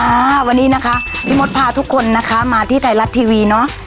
อ่าวันนี้นะคะพี่มดพาทุกคนนะคะมาที่ไทยรัฐทีวีเนอะ